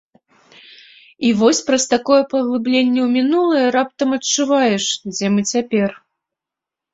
І вось праз такое паглыбленне ў мінулае раптам адчуваеш, дзе мы цяпер.